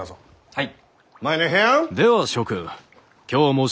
はい！